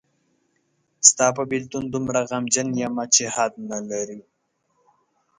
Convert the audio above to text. ستا په بېلتون دومره غمجن یمه چې حد نلري